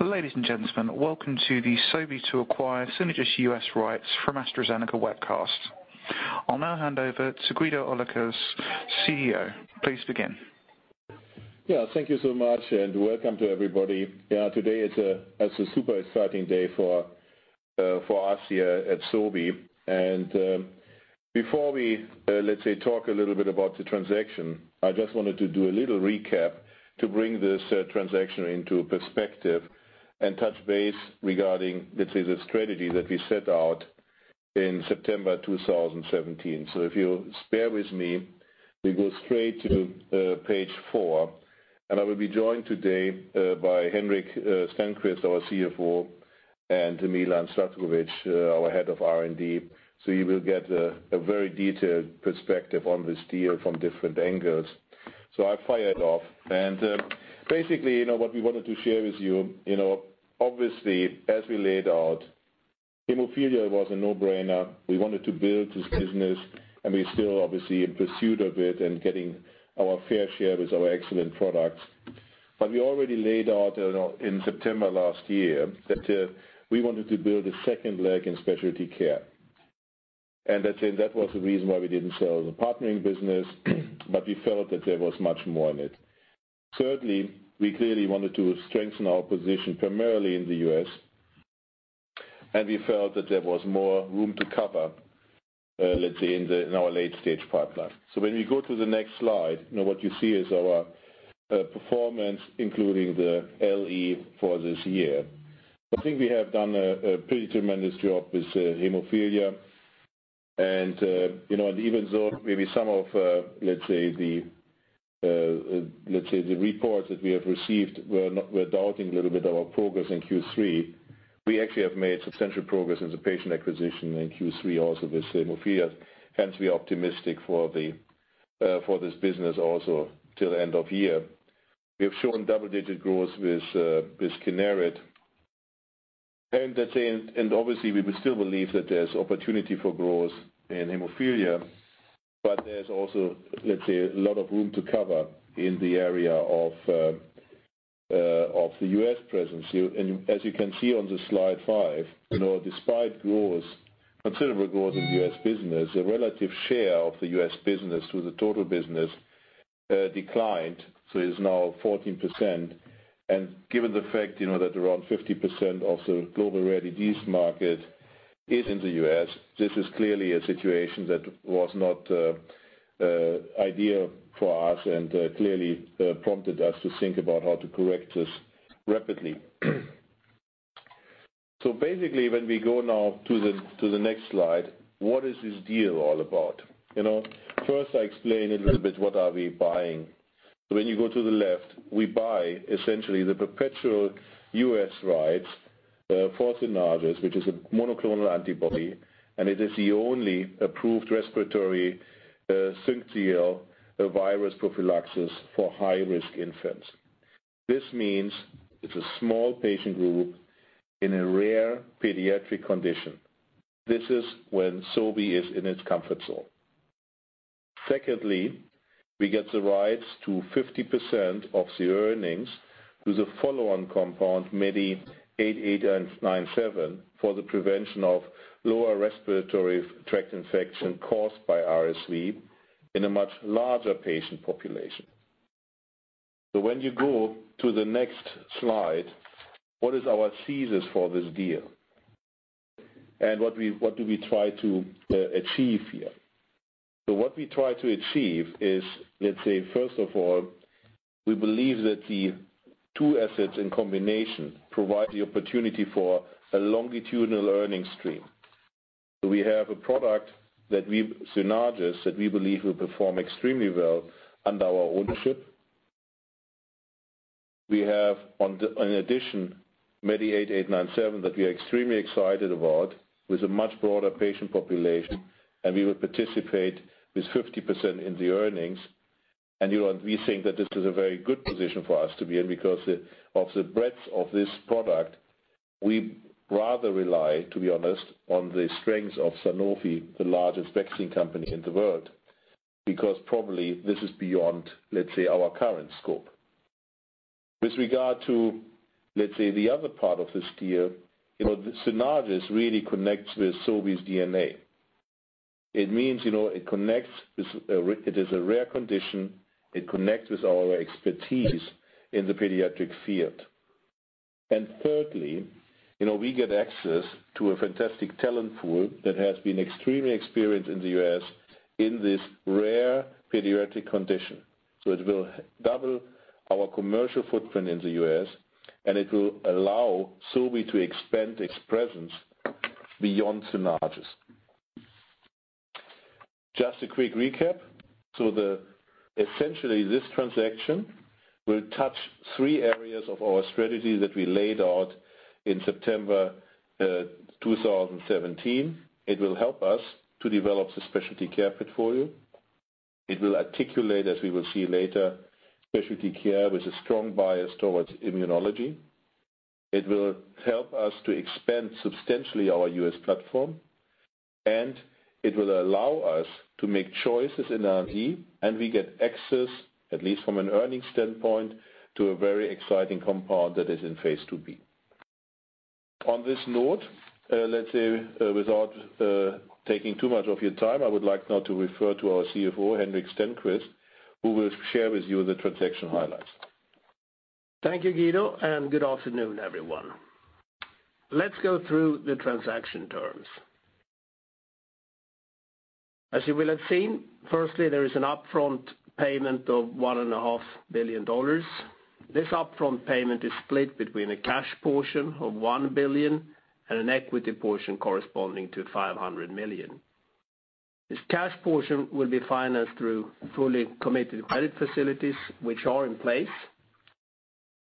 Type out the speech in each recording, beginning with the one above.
Ladies and gentlemen, welcome to the Sobi to Acquire Synagis US Rights from AstraZeneca Webcast. I'll now hand over to Guido Oelkers, CEO. Please begin. Yeah, thank you so much, and welcome to everybody. Yeah, today is a super exciting day for us here at Sobi. And before we, let's say, talk a little bit about the transaction, I just wanted to do a little recap to bring this transaction into perspective and touch base regarding, let's say, the strategy that we set out in September 2017. So if you'll bear with me, we go straight to page four. And I will be joined today by Henrik Stenqvist, our CFO, and Milan Zdravković, our Head of R&D. So you will get a very detailed perspective on this deal from different angles. So I'll fire it off. And basically, what we wanted to share with you, obviously, as we laid out, hemophilia was a no-brainer. We wanted to build this business, and we're still, obviously, in pursuit of it and getting our fair share with our excellent products. But we already laid out in September last year that we wanted to build a second leg in specialty care. And that was the reason why we didn't sell as a partnering business, but we felt that there was much more in it. Thirdly, we clearly wanted to strengthen our position primarily in the U.S., and we felt that there was more room to cover, let's say, in our late-stage pipeline. So when we go to the next slide, what you see is our performance, including the LE for this year. I think we have done a pretty tremendous job with hemophilia. Even though maybe some of, let's say, the reports that we have received, we're doubting a little bit of our progress in Q3, we actually have made substantial progress in the patient acquisition in Q3 also with hemophilia. Hence, we're optimistic for this business also till end of year. We have shown double-digit growth with Kineret. Obviously, we still believe that there's opportunity for growth in hemophilia, but there's also, let's say, a lot of room to cover in the area of the U.S. presence. As you can see on slide five, despite considerable growth in the U.S. business, the relative share of the U.S. business to the total business declined. It's now 14%. Given the fact that around 50% of the global rare disease market is in the U.S., this is clearly a situation that was not ideal for us and clearly prompted us to think about how to correct this rapidly. Basically, when we go now to the next slide, what is this deal all about? First, I explain a little bit what are we buying. When you go to the left, we buy essentially the perpetual U.S. rights for Synagis, which is a monoclonal antibody, and it is the only approved respiratory syncytial virus prophylaxis for high-risk infants. This means it's a small patient group in a rare pediatric condition. This is when Sobi is in its comfort zone. Secondly, we get the rights to 50% of the earnings through the follow-on compound MEDI8897 for the prevention of lower respiratory tract infection caused by RSV in a much larger patient population. When you go to the next slide, what is our thesis for this deal? What do we try to achieve here? What we try to achieve is, let's say, first of all, we believe that the two assets in combination provide the opportunity for a longitudinal earnings stream. We have a product that we, Synagis, that we believe will perform extremely well under our ownership. We have, in addition, MEDI8897 that we are extremely excited about with a much broader patient population, and we will participate with 50% in the earnings. We think that this is a very good position for us to be in because of the breadth of this product. We rather rely, to be honest, on the strength of Sanofi, the largest vaccine company in the world, because probably this is beyond, let's say, our current scope. With regard to, let's say, the other part of this deal, Synagis really connects with Sobi's DNA. It means it connects. It is a rare condition. It connects with our expertise in the pediatric field, and thirdly, we get access to a fantastic talent pool that has been extremely experienced in the US in this rare pediatric condition. It will double our commercial footprint in the US, and it will allow Sobi to expand its presence beyond Synagis. Just a quick recap, so essentially, this transaction will touch three areas of our strategy that we laid out in September 2017. It will help us to develop the specialty care portfolio. It will articulate, as we will see later, specialty care with a strong bias toward immunology. It will help us to expand substantially our U.S. platform, and it will allow us to make choices in R&D, and we get access, at least from an earnings standpoint, to a very exciting compound that is in phase 2b. On this note, let's say, without taking too much of your time, I would like now to refer to our CFO, Henrik Stenqvist, who will share with you the transaction highlights. Thank you, Guido, and good afternoon, everyone. Let's go through the transaction terms. As you will have seen, firstly, there is an upfront payment of $1.5 billion. This upfront payment is split between a cash portion of $1 billion and an equity portion corresponding to $500 million. This cash portion will be financed through fully committed credit facilities, which are in place.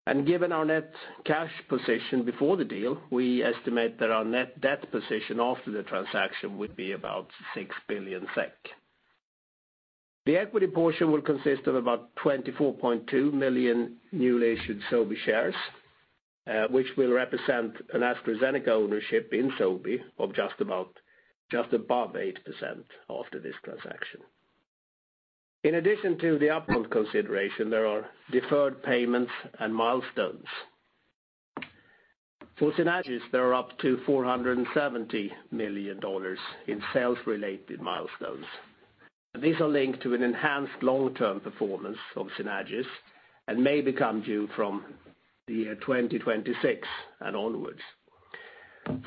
And given our net cash position before the deal, we estimate that our net debt position after the transaction would be about 6 billion SEK. The equity portion will consist of about 24.2 million newly issued Sobi shares, which will represent an AstraZeneca ownership in Sobi of just above 8% after this transaction. In addition to the upfront consideration, there are deferred payments and milestones. For Synagis, there are up to $470 million in sales-related milestones. These are linked to an enhanced long-term performance of Synagis and may become due from the year 2026 and onwards.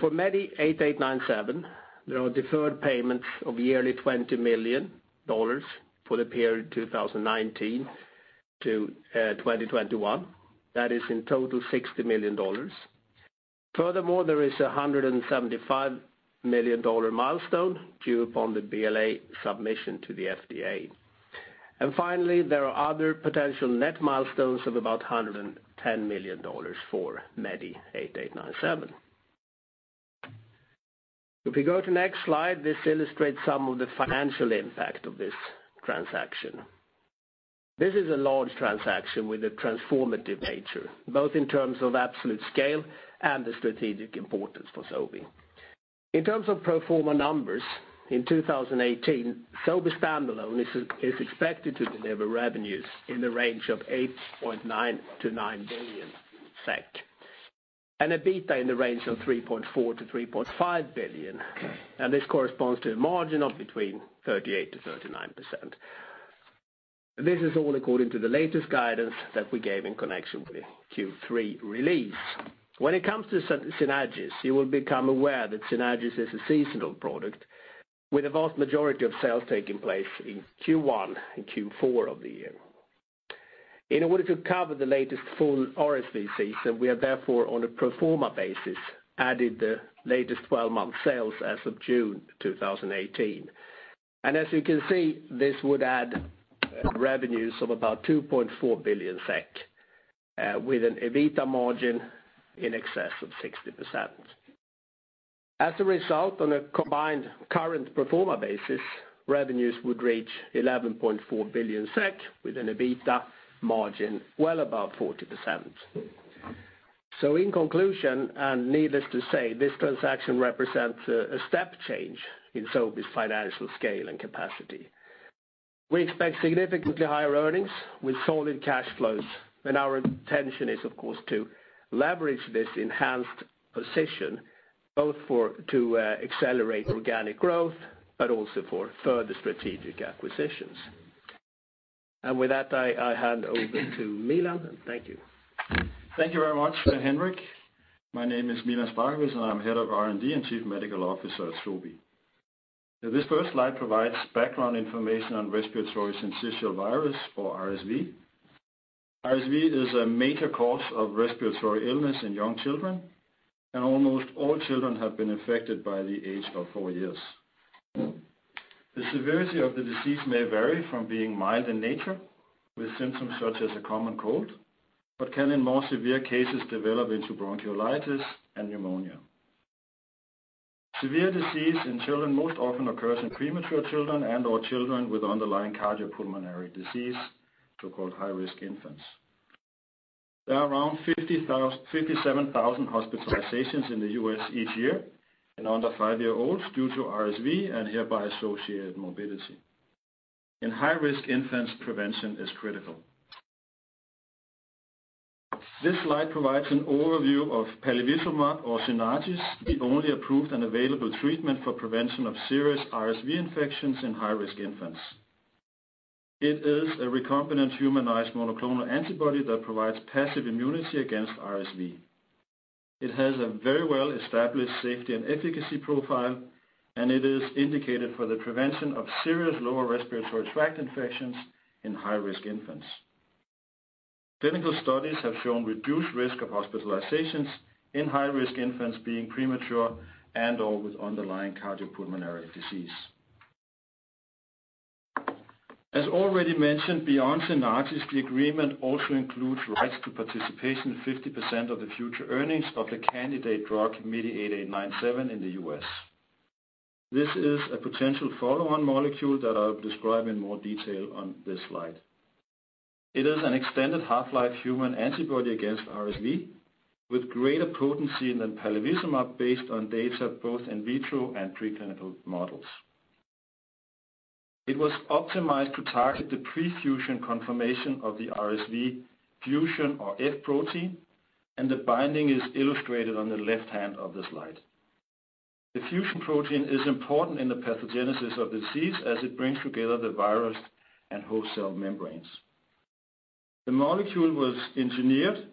For MEDI8897, there are deferred payments of nearly $20 million for the period 2019 to 2021. That is, in total, $60 million. Furthermore, there is a $175 million milestone due upon the BLA submission to the FDA. And finally, there are other potential net milestones of about $110 million for MEDI8897. If we go to the next slide, this illustrates some of the financial impact of this transaction. This is a large transaction with a transformative nature, both in terms of absolute scale and the strategic importance for Sobi. In terms of pro forma numbers, in 2018, Sobi standalone is expected to deliver revenues in the range of 8.9-9 billion SEK and EBITDA in the range of 3.4-3.5 billion. This corresponds to a margin of between 38%-39%. This is all according to the latest guidance that we gave in connection with Q3 release. When it comes to Synagis, you will become aware that Synagis is a seasonal product with a vast majority of sales taking place in Q1 and Q4 of the year. In order to cover the latest full RSV season, we have therefore, on a pro forma basis, added the latest 12-month sales as of June 2018. As you can see, this would add revenues of about 2.4 billion SEK with an EBITDA margin in excess of 60%. As a result, on a combined current pro forma basis, revenues would reach 11.4 billion SEK with an EBITDA margin well above 40%. In conclusion, and needless to say, this transaction represents a step change in Sobi's financial scale and capacity. We expect significantly higher earnings with solid cash flows, and our intention is, of course, to leverage this enhanced position both to accelerate organic growth but also for further strategic acquisitions, and with that, I hand over to Milan, and thank you. Thank you very much, Henrik. My name is Milan Zdravković, and I'm Head of R&D and Chief Medical Officer at Sobi. This first slide provides background information on respiratory syncytial virus, or RSV. RSV is a major cause of respiratory illness in young children, and almost all children have been infected by the age of four years. The severity of the disease may vary from being mild in nature, with symptoms such as a common cold, but can, in more severe cases, develop into bronchiolitis and pneumonia. Severe disease in children most often occurs in premature children and/or children with underlying cardiopulmonary disease, so-called high-risk infants. There are around 57,000 hospitalizations in the U.S. each year in under 5-year-olds due to RSV and hereby associated morbidity. In high-risk infants, prevention is critical. This slide provides an overview of palivizumab, or Synagis, the only approved and available treatment for prevention of serious RSV infections in high-risk infants. It is a recombinant humanized monoclonal antibody that provides passive immunity against RSV. It has a very well-established safety and efficacy profile, and it is indicated for the prevention of serious lower respiratory tract infections in high-risk infants. Clinical studies have shown reduced risk of hospitalizations in high-risk infants being premature and/or with underlying cardiopulmonary disease. As already mentioned, beyond Synagis, the agreement also includes rights to participation in 50% of the future earnings of the candidate drug MEDI8897 in the U.S. This is a potential follow-on molecule that I'll describe in more detail on this slide. It is an extended half-life human antibody against RSV with greater potency than palivizumab based on data both in vitro and preclinical models. It was optimized to target the pre-fusion conformation of the RSV fusion or F protein, and the binding is illustrated on the left hand of the slide. The fusion protein is important in the pathogenesis of the disease as it brings together the virus and host cell membranes. The molecule was engineered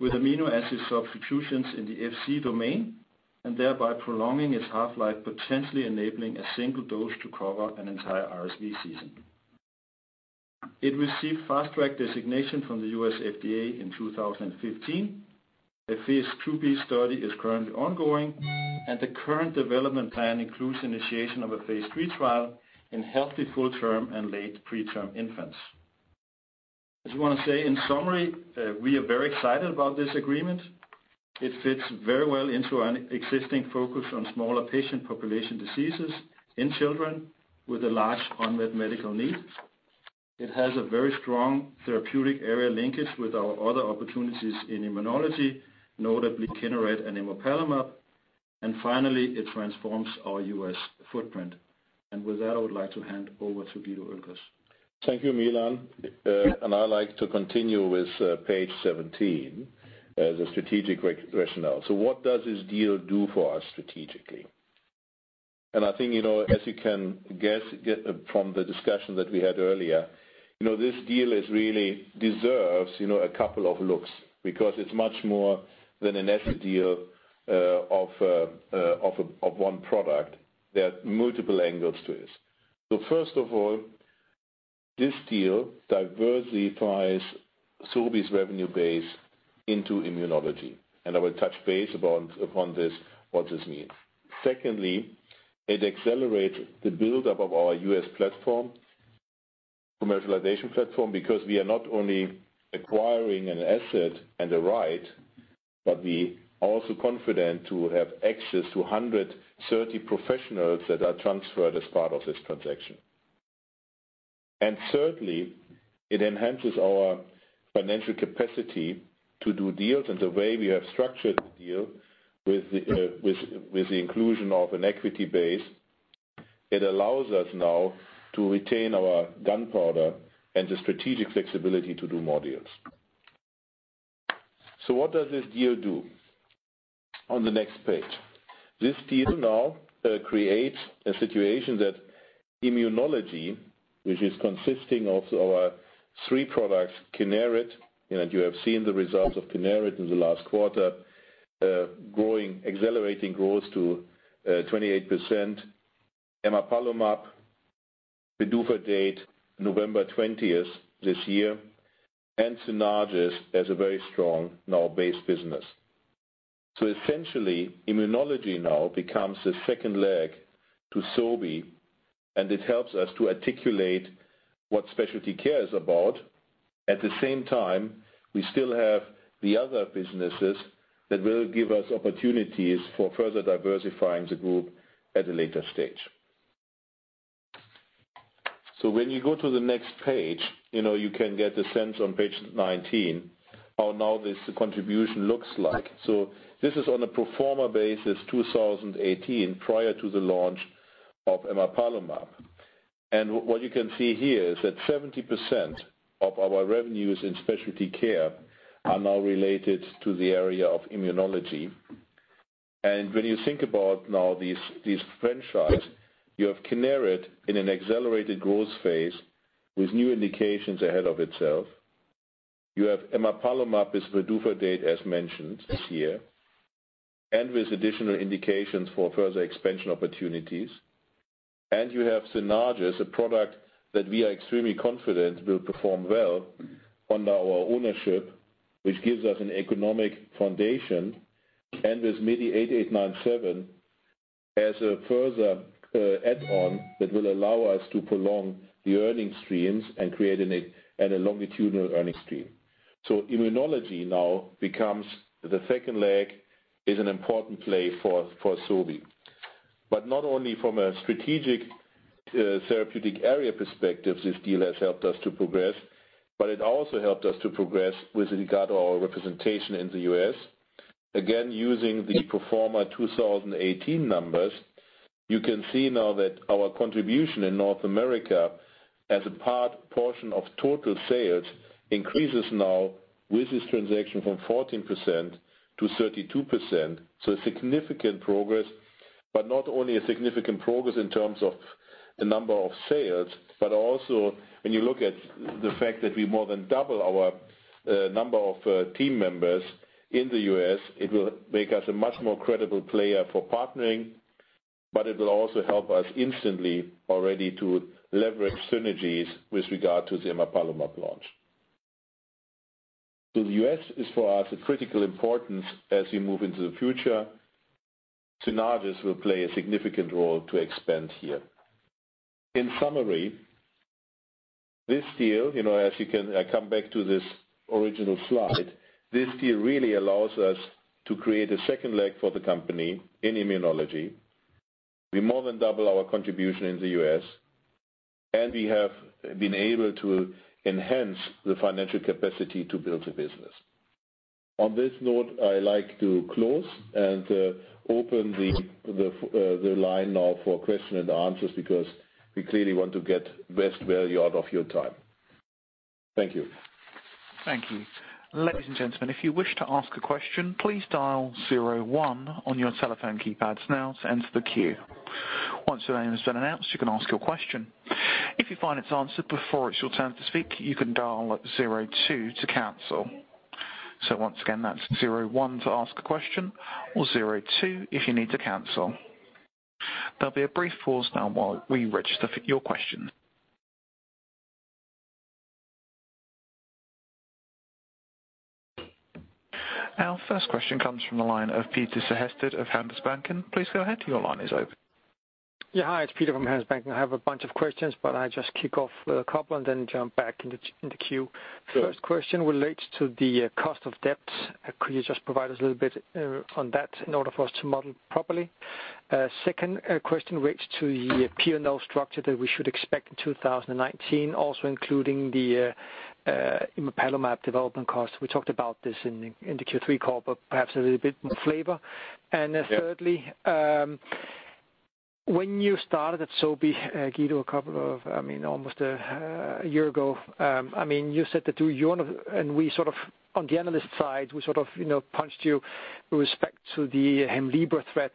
with amino acid substitutions in the Fc domain and thereby prolonging its half-life, potentially enabling a single dose to cover an entire RSV season. It received fast-track designation from the U.S. FDA in 2015. A phase 2b study is currently ongoing, and the current development plan includes initiation of a phase 3 trial in healthy full-term and late preterm infants. As I want to say, in summary, we are very excited about this agreement. It fits very well into our existing focus on smaller patient population diseases in children with a large unmet medical need. It has a very strong therapeutic area linkage with our other opportunities in immunology, notably Kineret and Emapalumab. And finally, it transforms our U.S. footprint. And with that, I would like to hand over to Guido Oelkers. Thank you, Milan. And I'd like to continue with page 17, the strategic rationale. So what does this deal do for us strategically? And I think, as you can guess from the discussion that we had earlier, this deal really deserves a couple of looks because it's much more than an S deal of one product. There are multiple angles to this. So first of all, this deal diversifies Sobi's revenue base into immunology. And I will touch base upon this, what this means. Secondly, it accelerates the buildup of our U.S. platform, commercialization platform, because we are not only acquiring an asset and a right, but we are also confident to have access to 130 professionals that are transferred as part of this transaction. And thirdly, it enhances our financial capacity to do deals in the way we have structured the deal with the inclusion of an equity base. It allows us now to retain our gunpowder and the strategic flexibility to do more deals. So what does this deal do? On the next page, this deal now creates a situation that immunology, which is consisting of our three products, Kineret, and you have seen the results of Kineret in the last quarter, growing, accelerating growth to 28%, Emapalumab, PDUFA date, November 20th this year, and Synagis as a very strong now-based business. So essentially, immunology now becomes the second leg to Sobi, and it helps us to articulate what specialty care is about. At the same time, we still have the other businesses that will give us opportunities for further diversifying the group at a later stage. So when you go to the next page, you can get a sense on page 19 how now this contribution looks like. So this is on a pro forma basis, 2018, prior to the launch of Emapalumab. And what you can see here is that 70% of our revenues in specialty care are now related to the area of immunology. And when you think about now these franchises, you have Kineret in an accelerated growth phase with new indications ahead of itself. You have Emapalumab with PDUFA date, as mentioned here, and with additional indications for further expansion opportunities. And you have Synagis, a product that we are extremely confident will perform well under our ownership, which gives us an economic foundation. And with MEDI8897 as a further add-on that will allow us to prolong the earning streams and create a longitudinal earning stream. So immunology now becomes the second leg, is an important play for Sobi. But not only from a strategic therapeutic area perspective, this deal has helped us to progress, but it also helped us to progress with regard to our representation in the U.S. Again, using the pro forma 2018 numbers, you can see now that our contribution in North America as a part portion of total sales increases now with this transaction from 14%-32%. So significant progress, but not only a significant progress in terms of the number of sales, but also when you look at the fact that we more than double our number of team members in the U.S., it will make us a much more credible player for partnering, but it will also help us instantly already to leverage synergies with regard to the Emapalumab launch. So the U.S. is for us of critical importance as we move into the future. Synagis will play a significant role to expand here. In summary, this deal, as you can come back to this original slide, this deal really allows us to create a second leg for the company in immunology. We more than double our contribution in the U.S., and we have been able to enhance the financial capacity to build a business. On this note, I like to close and open the line now for questions and answers because we clearly want to get the best value out of your time. Thank you. Thank you. Ladies and gentlemen, if you wish to ask a question, please dial zero one on your telephone keypad now to enter the queue. Once your name has been announced, you can ask your question. If you find it's answered before it's your turn to speak, you can dial zero two to cancel. So once again, that's zero one to ask a question or zero two if you need to cancel. There'll be a brief pause now while we register your question. Our first question comes from the line of Peter Sehested of Handelsbanken. And please go ahead. Your line is open. Yeah, hi. It's Peter from Handelsbanken. I have a bunch of questions, but I'll just kick off with a couple and then jump back into the queue. The first question relates to the cost of debt. Could you just provide us a little bit on that in order for us to model properly? Second question relates to the P&L structure that we should expect in 2019, also including the Emapalumab development cost. We talked about this in the Q3 call, but perhaps a little bit more flavor. And thirdly, when you started at Sobi, Guido, a couple of, I mean, almost a year ago, I mean, you said that you and we sort of, on the analyst side, we sort of punched you with respect to the Hemlibra threat.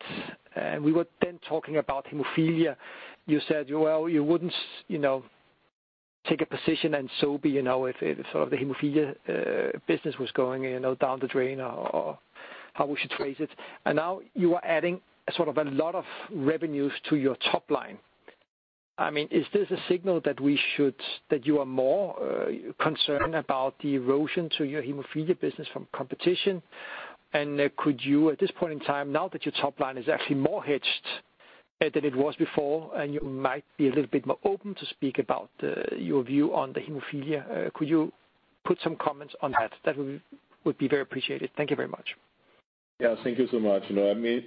And we were then talking about hemophilia. You said, well, you wouldn't take a position in Sobi if sort of the hemophilia business was going down the drain or how we should phrase it. And now you are adding sort of a lot of revenues to your top line. I mean, is this a signal that you are more concerned about the erosion to your hemophilia business from competition? And could you, at this point in time, now that your top line is actually more hedged than it was before, and you might be a little bit more open to speak about your view on the hemophilia, could you put some comments on that? That would be very appreciated. Thank you very much. Yeah, thank you so much.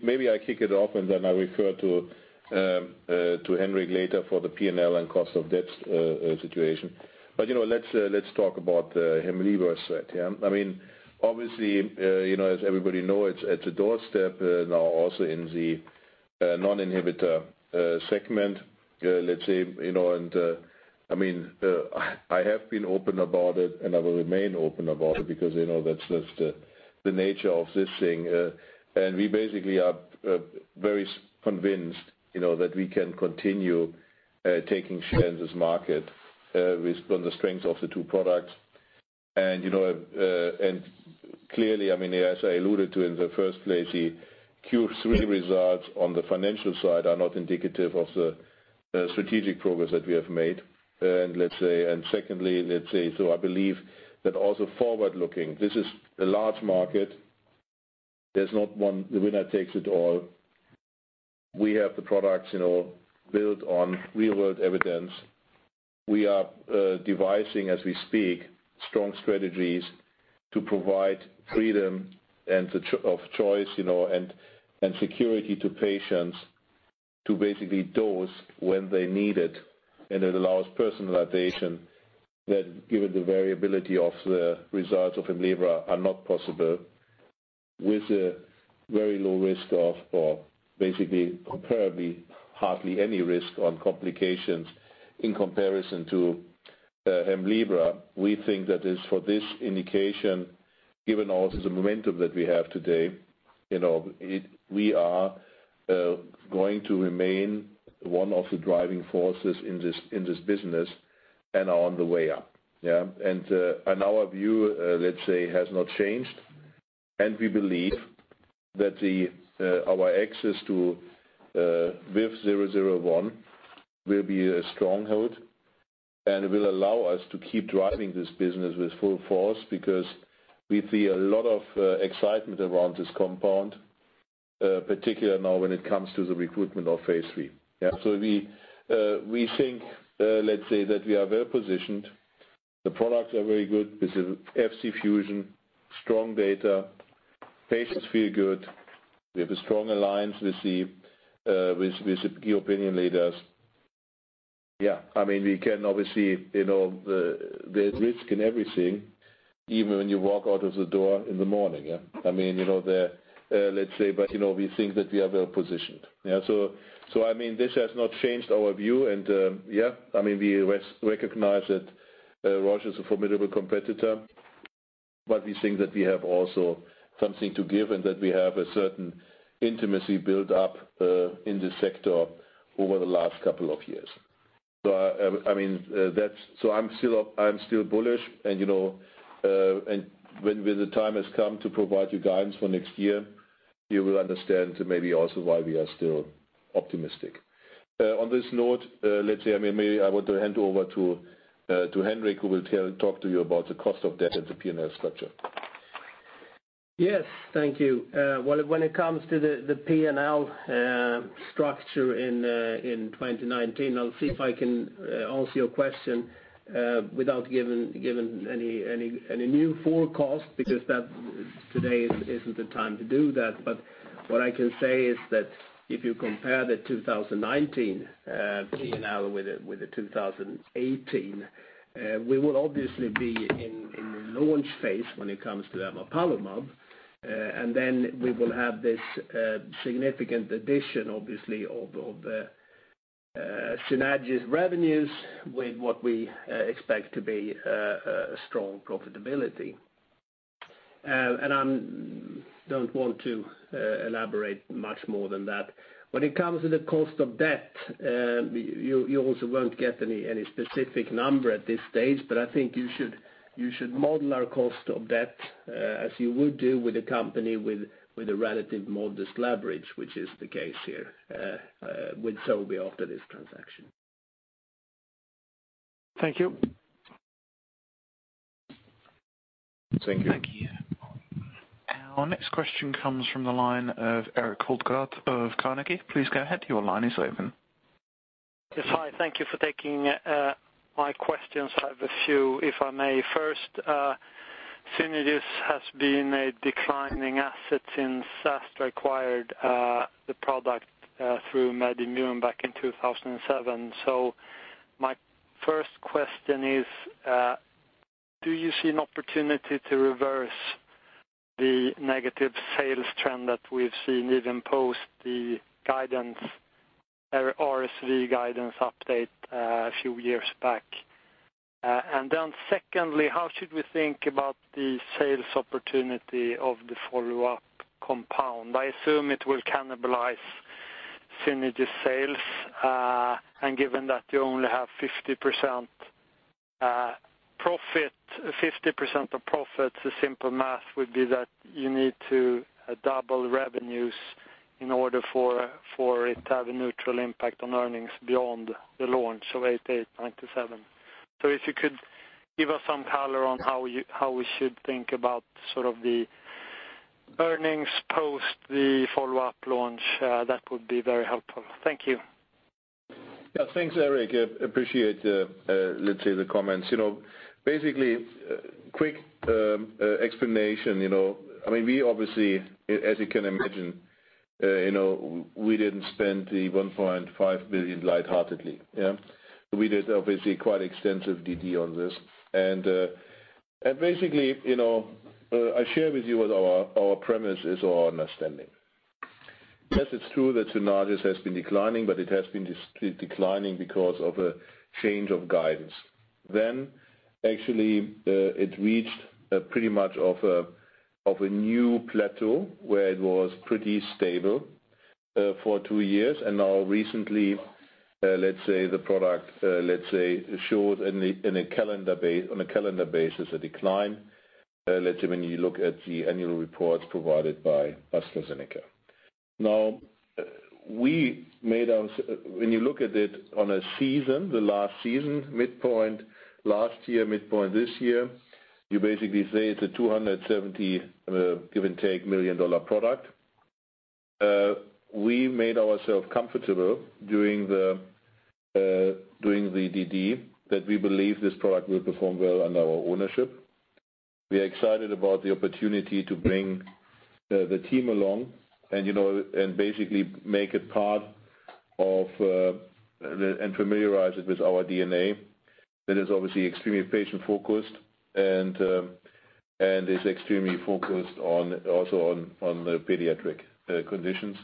Maybe I kick it off, and then I refer to Henrik later for the P&L and cost of debt situation, but let's talk about the Hemlibra threat. I mean, obviously, as everybody knows, it's a doorstep now also in the non-inhibitor segment, let's say, and I mean, I have been open about it, and I will remain open about it because that's just the nature of this thing, and we basically are very convinced that we can continue taking share in this market on the strength of the two products. Clearly, I mean, as I alluded to in the first place, the Q3 results on the financial side are not indicative of the strategic progress that we have made, and secondly, let's say, so I believe that also forward-looking, this is a large market. There's not one winner takes it all. We have the products built on real-world evidence. We are devising, as we speak, strong strategies to provide freedom of choice and security to patients to basically dose when they need it. And it allows personalization that, given the variability of the results of Hemlibra, are not possible with a very low risk of, or basically comparably, hardly any risk on complications in comparison to Hemlibra. We think that for this indication, given also the momentum that we have today, we are going to remain one of the driving forces in this business and are on the way up. And our view, let's say, has not changed. We believe that our access to BIVV001 will be strong-held and will allow us to keep driving this business with full force because we see a lot of excitement around this compound, particularly now when it comes to the recruitment of phase three. We think, let's say, that we are well positioned. The products are very good with the Fc fusion, strong data, patients feel good. We have a strong alliance with the key opinion leaders. Yeah, I mean, we can obviously there's risk in everything even when you walk out of the door in the morning. I mean, let's say, but we think that we are well positioned. I mean, this has not changed our view. And yeah, I mean, we recognize that Roche is a formidable competitor, but we think that we have also something to give and that we have a certain intimacy built up in this sector over the last couple of years. So I mean, so I'm still bullish. And when the time has come to provide you guidance for next year, you will understand maybe also why we are still optimistic. On this note, let's say, I mean, maybe I want to hand over to Henrik, who will talk to you about the cost of debt and the P&L structure. Yes, thank you. Well, when it comes to the P&L structure in 2019, I'll see if I can answer your question without giving any new forecast because today isn't the time to do that. But what I can say is that if you compare the 2019 P&L with the 2018, we will obviously be in the launch phase when it comes to Emapalumab. And then we will have this significant addition, obviously, of Synagis revenues with what we expect to be a strong profitability. And I don't want to elaborate much more than that. When it comes to the cost of debt, you also won't get any specific number at this stage, but I think you should model our cost of debt as you would do with a company with a relative modest leverage, which is the case here with Sobi after this transaction. Thank you. Thank you. Thank you. Our next question comes from the line of Erik Hultgård of Carnegie. Please go ahead. Your line is open. Yes, hi. Thank you for taking my questions. I have a few, if I may. First, Synagis has been a declining asset since AstraZeneca acquired the product through MedImmune back in 2007. So my first question is, do you see an opportunity to reverse the negative sales trend that we've seen even post the guidance, RSV guidance update a few years back? And then secondly, how should we think about the sales opportunity of the follow-up compound? I assume it will cannibalize Synagis sales. And given that you only have 50% profit, 50% of profits, the simple math would be that you need to double revenues in order for it to have a neutral impact on earnings beyond the launch of MEDI8897. So if you could give us some color on how we should think about sort of the earnings post the follow-up launch, that would be very helpful. Thank you. Yeah, thanks, Erik. Appreciate, let's say, the comments. Basically, quick explanation. I mean, we obviously, as you can imagine, we didn't spend the $1.5 billion light-heartedly. We did obviously quite extensive DD on this. And basically, I share with you what our premise is or our understanding. Yes, it's true that Synagis has been declining, but it has been declining because of a change of guidance. Then actually, it reached pretty much of a new plateau where it was pretty stable for two years. And now recently, let's say, the product, let's say, showed on a calendar basis a decline, let's say, when you look at the annual reports provided by AstraZeneca. Now, we made ourselves, when you look at it on a season, the last season, midpoint last year, midpoint this year, you basically say it's a $270 million, give and take, product. We made ourselves comfortable during the DD that we believe this product will perform well under our ownership. We are excited about the opportunity to bring the team along and basically make it part of and familiarize it with our DNA that is obviously extremely patient-focused and is extremely focused also on the pediatric conditions.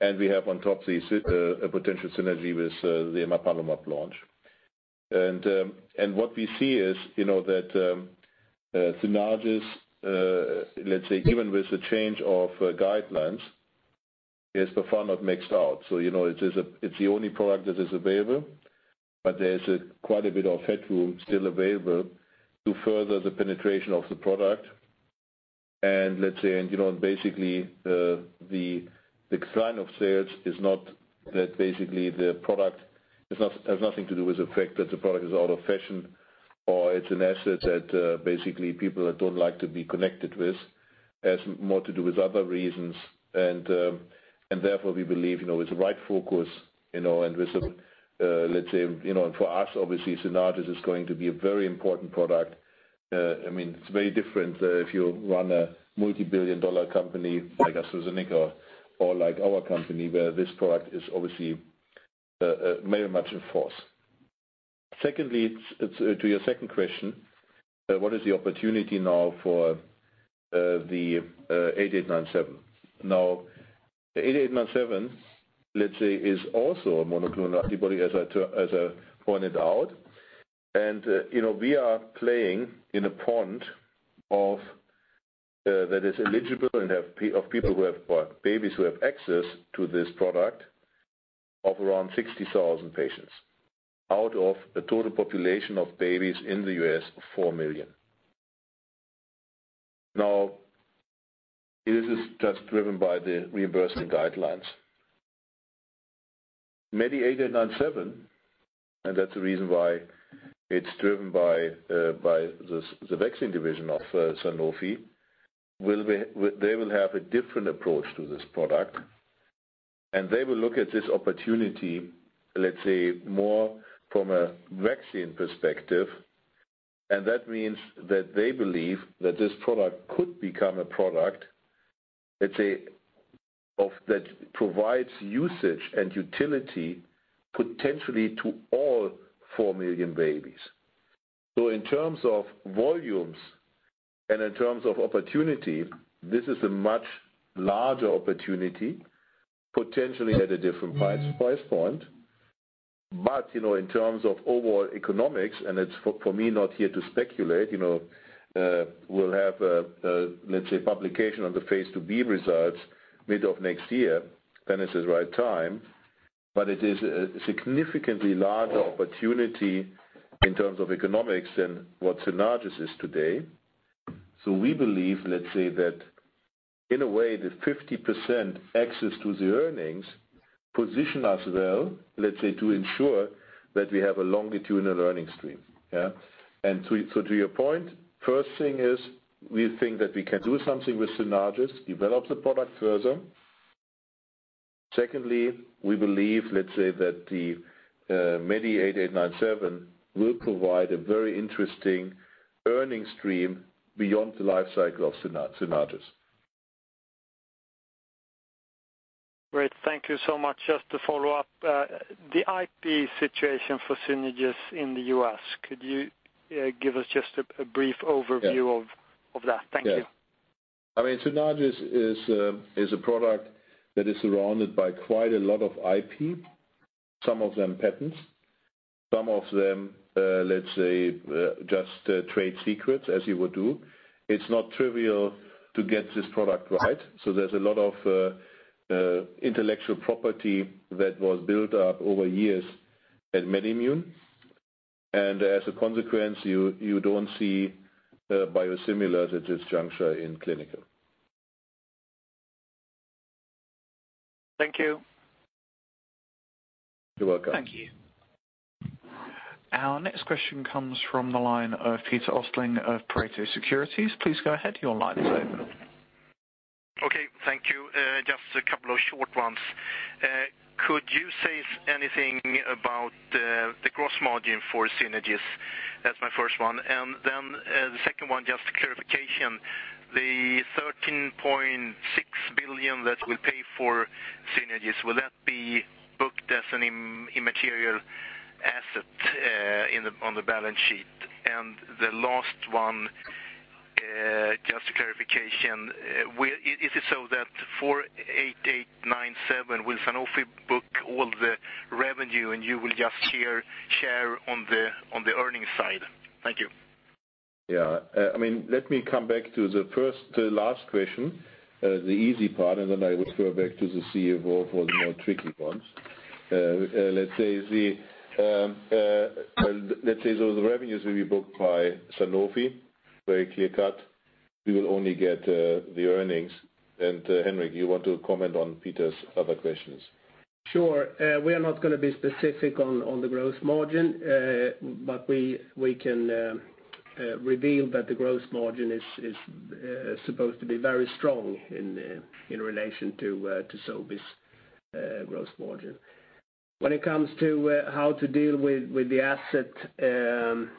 And we have on top a potential synergy with the Emapalumab launch. And what we see is that Synagis, let's say, even with the change of guidelines, is by far not maxed out. So it's the only product that is available, but there's quite a bit of headroom still available to further the penetration of the product. Let's say, basically, the kind of sales is not that the product has nothing to do with the fact that the product is out of fashion or it's an asset that basically people don't like to be connected with. [It] has more to do with other reasons. Therefore, we believe with the right focus and with, let's say, for us, obviously, Synagis is going to be a very important product. I mean, it's very different if you run a multi-billion-dollar company like AstraZeneca or like our company where this product is obviously very much in force. Secondly, to your second question, what is the opportunity now for the 8897? Now, 8897, let's say, is also a monoclonal antibody, as I pointed out. We are playing in a pond that is eligible and of people who have babies who have access to this product of around 60,000 patients out of the total population of babies in the U.S., 4 million. Now, this is just driven by the reimbursement guidelines. MEDI8897, and that's the reason why it's driven by the vaccine division of Sanofi. They will have a different approach to this product. They will look at this opportunity, let's say, more from a vaccine perspective. That means that they believe that this product could become a product, let's say, that provides usage and utility potentially to all 4 million babies. In terms of volumes and in terms of opportunity, this is a much larger opportunity potentially at a different price point. But in terms of overall economics, and it's for me not here to speculate, we'll have, let's say, publication on the phase 2b results mid of next year, then it's the right time. But it is a significantly larger opportunity in terms of economics than what Synagis is today. So we believe, let's say, that in a way, the 50% access to the earnings position us well, let's say, to ensure that we have a longitudinal earning stream. And so to your point, first thing is we think that we can do something with Synagis, develop the product further. Secondly, we believe, let's say, that the MEDI8897 will provide a very interesting earning stream beyond the lifecycle of Synagis. Great. Thank you so much. Just to follow up, the IP situation for Synagis in the U.S., could you give us just a brief overview of that? Thank you. Yeah. I mean, Synagis is a product that is surrounded by quite a lot of IP, some of them patents, some of them, let's say, just trade secrets, as you would do. It's not trivial to get this product right. So there's a lot of intellectual property that was built up over years at MedImmune. And as a consequence, you don't see biosimilars at this juncture in clinical. Thank you. You're welcome. Thank you. Our next question comes from the line of Peter Östling of Pareto Securities. Please go ahead. Your line is open. Okay. Thank you. Just a couple of short ones. Could you say anything about the gross margin for Synagis? That's my first one. And then the second one, just clarification, the $13.6 billion that we'll pay for Synagis, will that be booked as an intangible asset on the balance sheet? And the last one, just a clarification, is it so that MEDI8897, will Sanofi book all the revenue and you will just share on the earnings side? Thank you. Yeah. I mean, let me come back to the first, the last question, the easy part, and then I will throw back to the CFO for the more tricky ones. Let's say those revenues will be booked by Sanofi, very clear-cut. We will only get the earnings. And Henrik, you want to comment on Peter's other questions? Sure. We are not going to be specific on the gross margin, but we can reveal that the gross margin is supposed to be very strong in relation to Sobi's gross margin. When it comes to how to deal with the asset from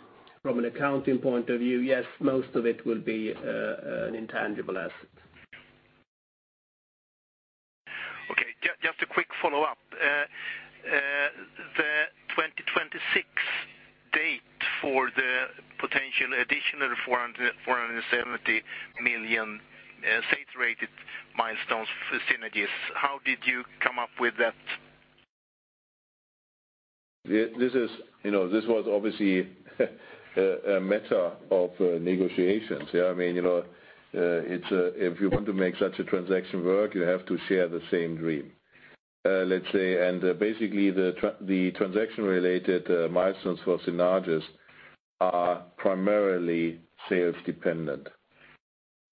an accounting point of view, yes, most of it will be an intangible asset. Okay. Just a quick follow-up. The 2026 date for the potential additional $470 million regulatory milestones for Synagis, how did you come up with that? This was obviously a matter of negotiations. Yeah. I mean, if you want to make such a transaction work, you have to share the same dream, let's say. And basically, the transaction-related milestones for Synagis are primarily sales-dependent.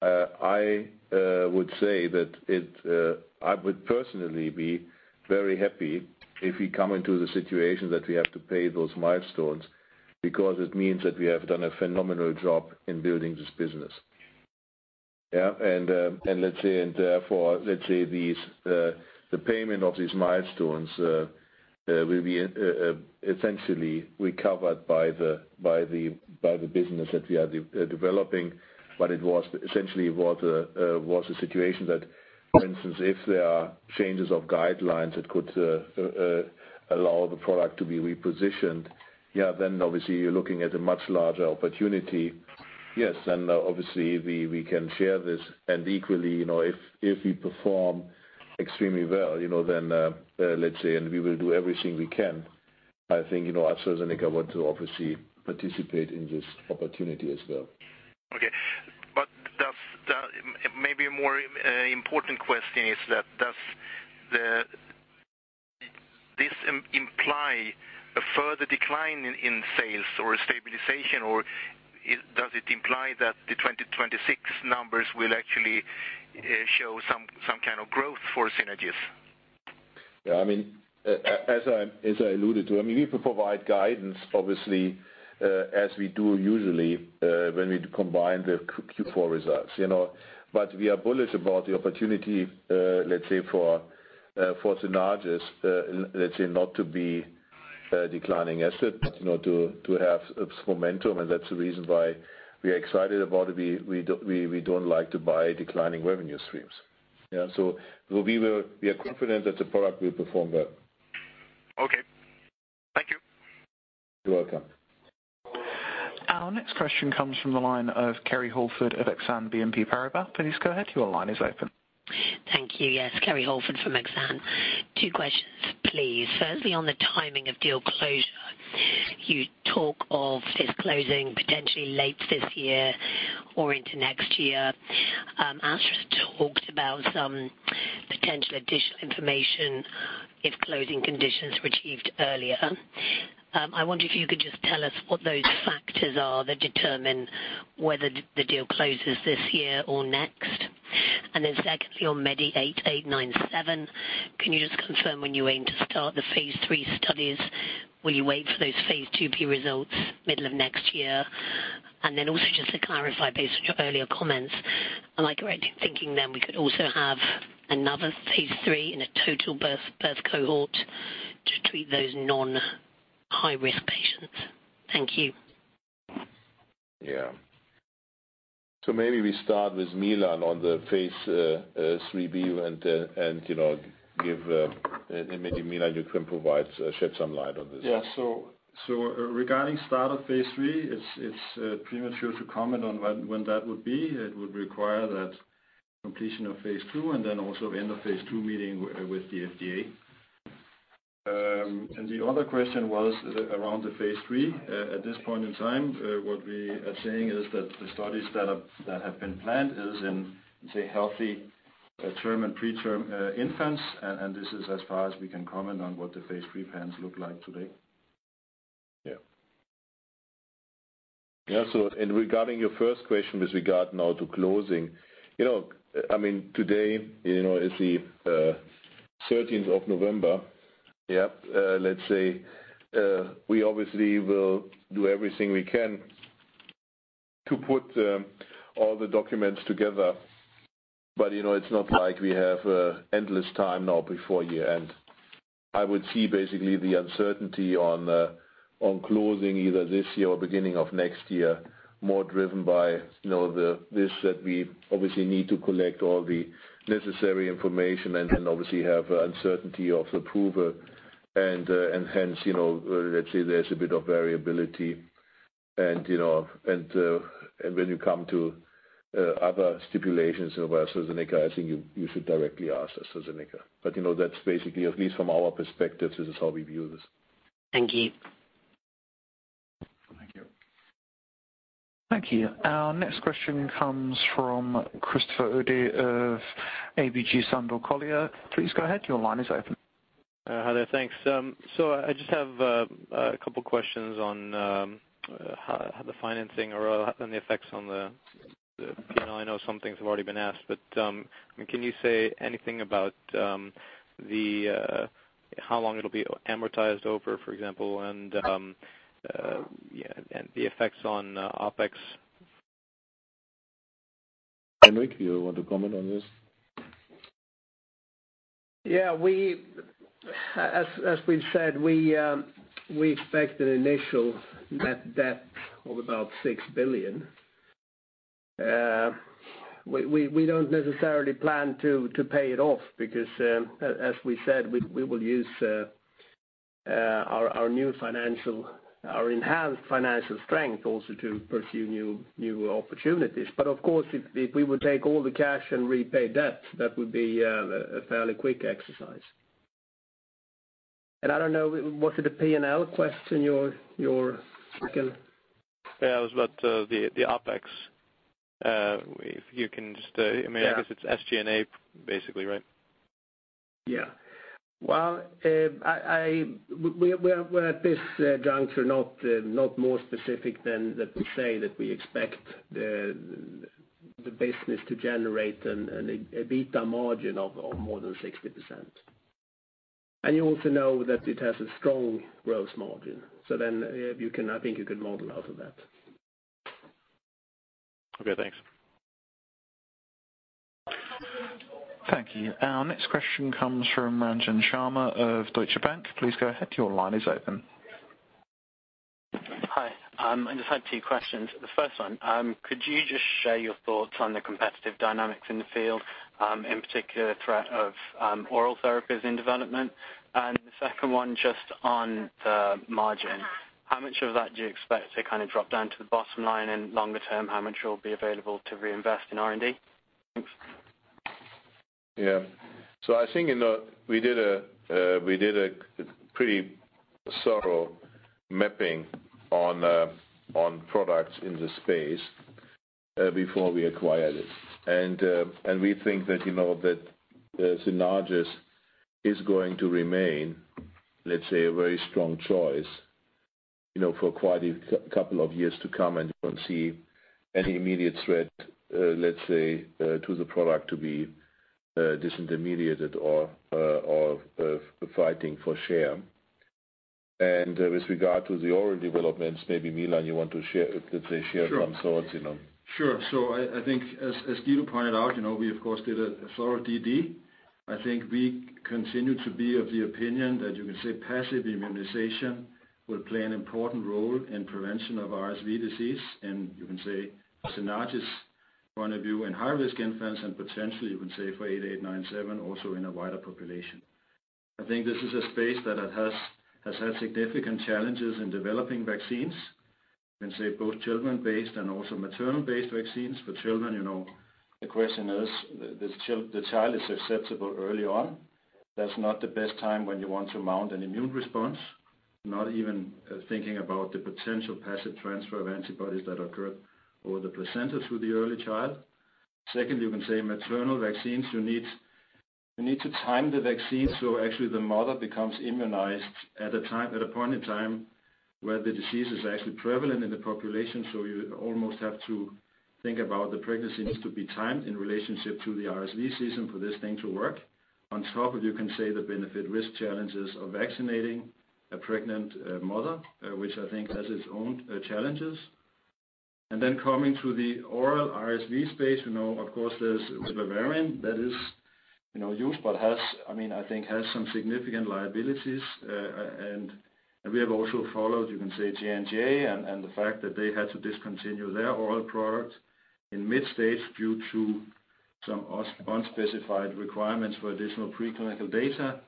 I would say that I would personally be very happy if we come into the situation that we have to pay those milestones because it means that we have done a phenomenal job in building this business. Yeah. And let's say, and therefore, let's say, the payment of these milestones will be essentially recovered by the business that we are developing. But essentially, it was a situation that, for instance, if there are changes of guidelines that could allow the product to be repositioned, yeah, then obviously, you're looking at a much larger opportunity. Yes, then obviously, we can share this. Equally, if we perform extremely well, then let's say, and we will do everything we can, I think AstraZeneca want to obviously participate in this opportunity as well. Okay. But maybe a more important question is that does this imply a further decline in sales or stabilization, or does it imply that the 2026 numbers will actually show some kind of growth for Synagis? Yeah. I mean, as I alluded to, I mean, we provide guidance, obviously, as we do usually when we combine the Q4 results. But we are bullish about the opportunity, let's say, for Synagis, let's say, not to be a declining asset, but to have its momentum. And that's the reason why we are excited about it. We don't like to buy declining revenue streams. Yeah. So we are confident that the product will perform well. Okay. Thank you. You're welcome. Our next question comes from the line of Kerry Holford of Exane BNP Paribas. Please go ahead. Your line is open. Thank you. Yes, Kerry Holford from Exane. Two questions, please. Firstly, on the timing of deal closure, you talk of it closing potentially late this year or into next year. Astra's talked about some potential additional information if closing conditions were achieved earlier. I wonder if you could just tell us what those factors are that determine whether the deal closes this year or next. And then secondly, on MEDI8897, can you just confirm when you aim to start the phase three studies? Will you wait for those phase two results middle of next year? And then also just to clarify, based on your earlier comments, am I correct in thinking then we could also have another phase three in a total birth cohort to treat those non-high-risk patients? Thank you. Yeah. So maybe we start with Milan on the phase 3b, and maybe Milan, you can shed some light on this. Yeah. So regarding start of phase 3, it's premature to comment on when that would be. It would require that completion of phase 2 and then also end-of-phase-2 meeting with the FDA. And the other question was around the phase 3. At this point in time, what we are saying is that the studies that have been planned is in, say, healthy term and preterm infants. And this is as far as we can comment on what the phase 3 plans look like today. Yeah. Yeah. So, regarding your first question with regard now to closing, I mean, today is the 13th of November. Yeah. Let's say we obviously will do everything we can to put all the documents together. But it's not like we have endless time now before year-end. I would see basically the uncertainty on closing either this year or beginning of next year more driven by this that we obviously need to collect all the necessary information and then obviously have uncertainty of approval. And hence, let's say there's a bit of variability. And when you come to other stipulations versus AstraZeneca, I think you should directly ask AstraZeneca. But that's basically, at least from our perspective, this is how we view this. Thank you. Thank you. Thank you. Our next question comes from Christopher Uhde of ABG Sundal Collier. Please go ahead. Your line is open. Hello. Thanks. So I just have a couple of questions on the financing or the effects on the P&L. I know some things have already been asked. But can you say anything about how long it'll be amortized over, for example, and the effects on OPEX? Henrik, you want to comment on this? Yeah. As we've said, we expect an initial net debt of about 6 billion. We don't necessarily plan to pay it off because, as we said, we will use our new financial, our enhanced financial strength also to pursue new opportunities. But of course, if we would take all the cash and repay debt, that would be a fairly quick exercise. And I don't know, was it a P&L question your second? Yeah. It was about the OPEX. If you can just, I mean, I guess it's SG&A basically, right? Yeah. Well, we're at this juncture not more specific than to say that we expect the business to generate an EBITDA margin of more than 60%. And you also know that it has a strong gross margin. So then I think you could model out of that. Okay. Thanks. Thank you. Our next question comes from Srajan Sharma of Deutsche Bank. Please go ahead. Your line is open. Hi. I just had two questions. The first one, could you just share your thoughts on the competitive dynamics in the field, in particular, threat of oral therapies in development? And the second one, just on the margin, how much of that do you expect to kind of drop down to the bottom line in longer term? How much will be available to reinvest in R&D? Thanks. Yeah. So I think we did a pretty thorough mapping on products in the space before we acquired it. And we think that Synagis is going to remain, let's say, a very strong choice for quite a couple of years to come and don't see any immediate threat, let's say, to the product to be disintermediated or fighting for share. And with regard to the oral developments, maybe Milan, you want to share some thoughts? Sure. So I think, as Guido pointed out, we, of course, did a thorough DD. I think we continue to be of the opinion that you can say passive immunization will play an important role in prevention of RSV disease. You can say Synagis point of view in high-risk infants and potentially, you can say, for 8897, also in a wider population. I think this is a space that has had significant challenges in developing vaccines. You can say both children-based and also maternal-based vaccines. For children, the question is, the child is susceptible early on. That's not the best time when you want to mount an immune response, not even thinking about the potential passive transfer of antibodies that occur over the placenta to the early child. Second, you can say maternal vaccines. You need to time the vaccine so actually the mother becomes immunized at a point in time where the disease is actually prevalent in the population. So you almost have to think about the pregnancy needs to be timed in relationship to the RSV season for this thing to work. On top of, you can say the benefit-risk challenges of vaccinating a pregnant mother, which I think has its own challenges. And then coming to the oral RSV space, of course, there's the Bavarian that is used, but I mean, I think has some significant liabilities. And we have also followed, you can say, J&J and the fact that they had to discontinue their oral product in mid-stage due to some unspecified requirements for additional preclinical data.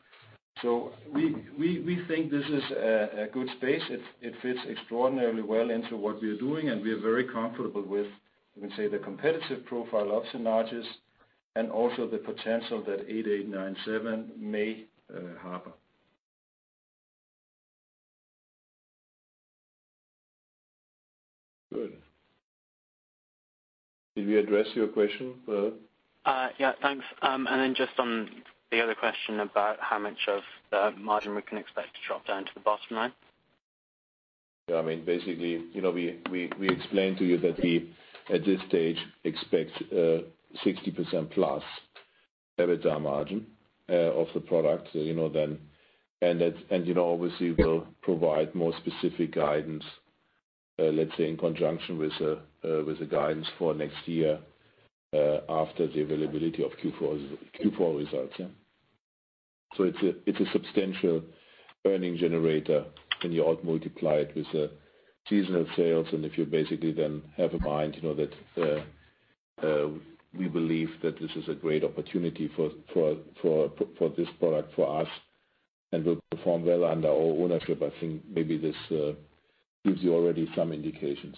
So we think this is a good space. It fits extraordinarily well into what we are doing. We are very comfortable with, you can say, the competitive profile of Synagis and also the potential that 8897 may harbor. Good. Did we address your question? Yeah. Thanks. And then just on the other question about how much of the margin we can expect to drop down to the bottom line? Yeah. I mean, basically, we explained to you that we at this stage expect 60%+ beta margin of the product then, and obviously, we'll provide more specific guidance, let's say, in conjunction with the guidance for next year after the availability of Q4 results. Yeah, so it's a substantial earning generator when you multiply it with the seasonal sales, and if you basically then have in mind that we believe that this is a great opportunity for this product for us and will perform well under our ownership, I think maybe this gives you already some indications.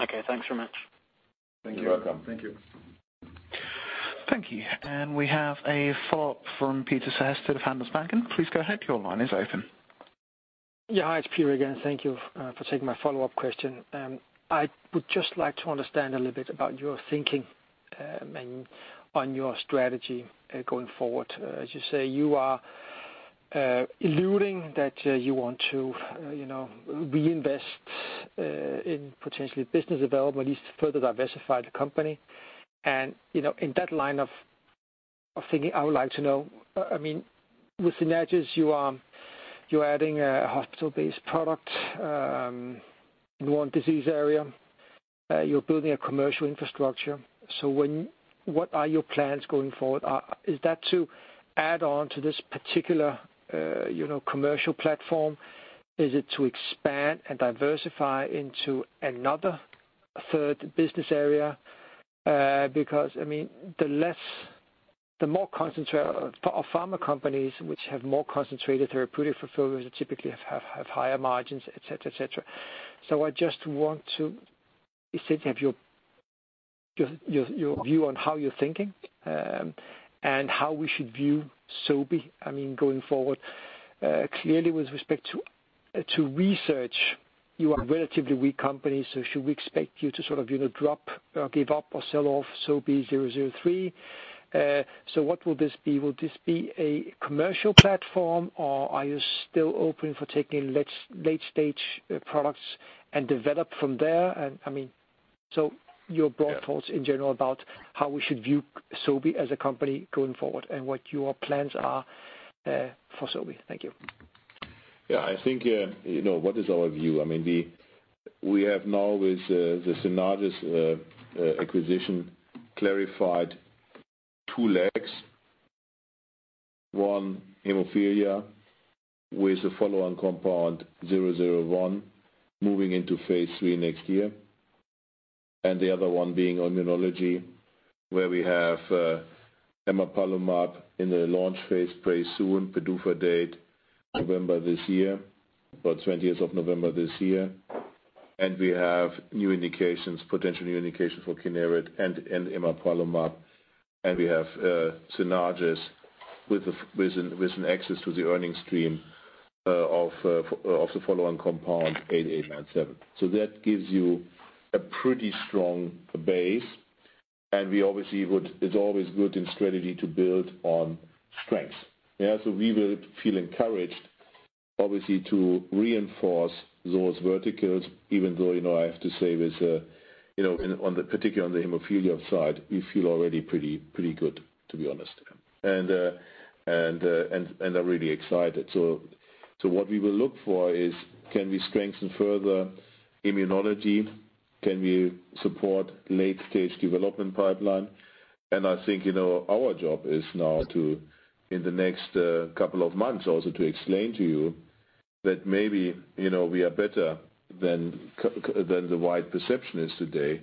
Okay. Thanks very much. You're welcome. Thank you. Thank you. And we have a follow-up from Peter Sehested of Handelsbanken. Please go ahead. Your line is open. Yeah. Hi, it's Peter again. Thank you for taking my follow-up question. I would just like to understand a little bit about your thinking on your strategy going forward. As you say, you are alluding that you want to reinvest in potentially business development, at least further diversify the company. And in that line of thinking, I would like to know, I mean, with Synagis, you're adding a hospital-based product in one disease area. You're building a commercial infrastructure. So what are your plans going forward? Is that to add on to this particular commercial platform? Is it to expand and diversify into another third business area? Because, I mean, the more concentrated pharma companies which have more concentrated therapeutic fulfillments typically have higher margins, etc., etc. So I just want to essentially have your view on how you're thinking and how we should view Sobi, I mean, going forward. Clearly, with respect to research, you are a relatively weak company. So should we expect you to sort of drop or give up or sell off Sobi 003? So what will this be? Will this be a commercial platform, or are you still open for taking late-stage products and develop from there? And I mean, so your broad thoughts in general about how we should view Sobi as a company going forward and what your plans are for Sobi. Thank you. Yeah. I think what is our view? I mean, we have now with the Synagis acquisition clarified two legs: one hemophilia with a follow-on compound 001 moving into phase 3 next year, and the other one being immunology where we have Emapalumab in the launch phase pretty soon, PDUFA date November this year, about 20 years of November this year. And we have new indications, potential new indications for Kineret and Emapalumab. And we have Synagis with an access to the earning stream of the follow-on compound 8897. So that gives you a pretty strong base. And it's always good in strategy to build on strengths. Yeah. So we will feel encouraged, obviously, to reinforce those verticals, even though I have to say with, particularly on the hemophilia side, we feel already pretty good, to be honest. And I'm really excited. So what we will look for is, can we strengthen further immunology? Can we support late-stage development pipeline? And I think our job is now, in the next couple of months, also to explain to you that maybe we are better than the wide perception is today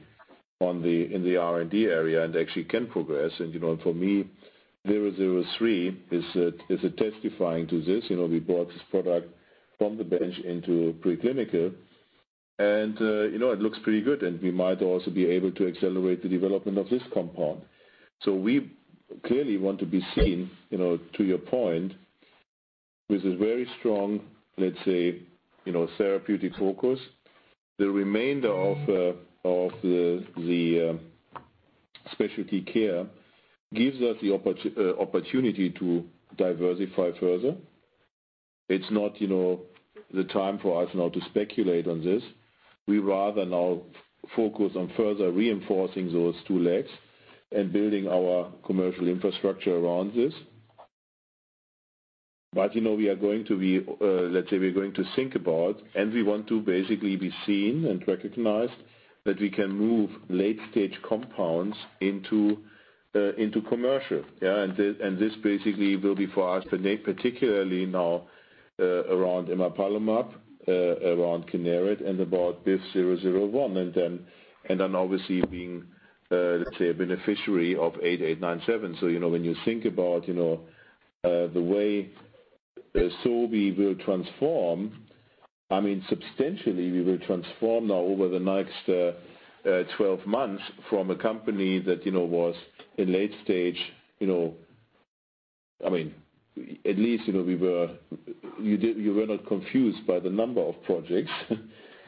in the R&D area and actually can progress. And for me, 003 is a testifying to this. We brought this product from the bench into preclinical. And it looks pretty good. And we might also be able to accelerate the development of this compound. So we clearly want to be seen, to your point, with a very strong, let's say, therapeutic focus. The remainder of the specialty care gives us the opportunity to diversify further. It's not the time for us now to speculate on this. We rather now focus on further reinforcing those two legs and building our commercial infrastructure around this. But we are going to be, let's say, we're going to think about, and we want to basically be seen and recognized that we can move late-stage compounds into commercial. Yeah. And this basically will be for us, particularly now around Emapalumab, around Kineret, and about BIVV001. And then obviously being, let's say, a beneficiary of 8897. So when you think about the way Sobi will transform, I mean, substantially, we will transform now over the next 12 months from a company that was in late stage. I mean, at least we were not confused by the number of projects.